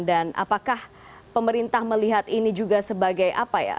apakah pemerintah melihat ini juga sebagai apa ya